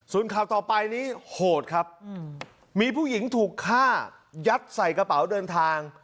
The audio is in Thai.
ส่วนข่าวต่อไปนี้โหดครับมีผู้หญิงถูกฆ่ายัดใส่กระเป๋าเดินทาง